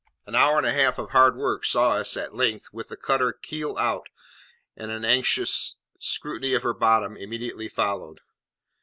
An hour and a half of hard work saw us, at length, with the cutter keel out, and an anxious scrutiny of her bottom immediately followed.